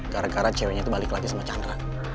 gara gara ceweknya itu balik lagi sama chandra